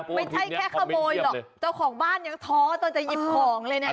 ไม่ใช่แค่ขโมยหรอกเจ้าของบ้านยังท้อตอนจะหยิบของเลยเนี่ย